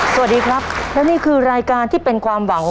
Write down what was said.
สวัสดีครับและนี่คือรายการที่เป็นความหวัง